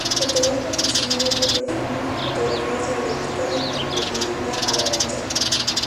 Fotógrafo aficionado, proporcionó sus fotografías a la revista de Pamplona "La Avalancha".